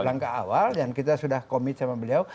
langkah awal dan kita sudah komit sama beliau